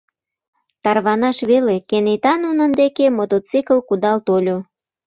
Тарванаш веле, кенета нунын деке мотоцикл кудал тольо.